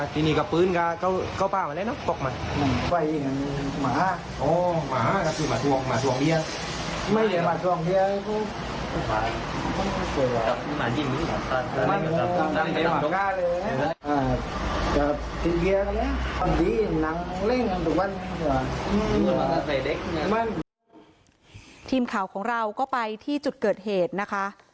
ทีมข่าวของเราก็ไปที่จุดเกิดเหตุนะคะ